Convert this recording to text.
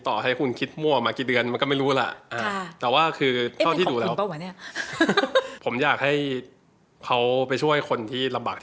ต่อให้คุณคิดมั่วมากี่เดือนมันก็ไม่รู้แหละแต่ว่าคือเมื่อกี้อยากให้เขาไปช่วยคนที่